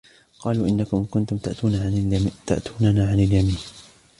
قَالُوا إِنَّكُمْ كُنْتُمْ تَأْتُونَنَا عَنِ الْيَمِينِ